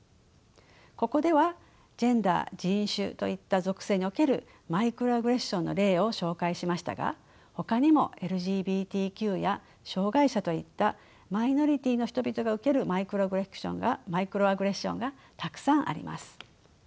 ここではジェンダー人種といった属性におけるマイクロアグレッションの例を紹介しましたがほかにもＬＧＢＴＱや障害者といったマイノリティーの人々が受けるマイクロアグレッションがたくさんあります。